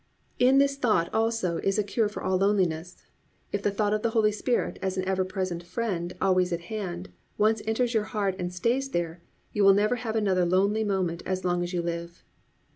In this thought also is a cure for all loneliness. If the thought of the Holy Spirit as an Ever present Friend always at hand, once enters your heart and stays there, you will never have another lonely moment as long as you live.